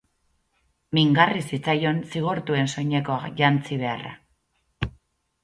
Mingarri zitzaion zigortuen soinekoa jantzi beharra.